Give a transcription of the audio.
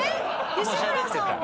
吉村さんは？